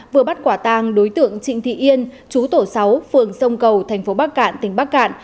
vừa bắt quả tàng đối tượng trịnh thị yên chú tổ sáu phường sông cầu tp bắc cạn tỉnh bắc cạn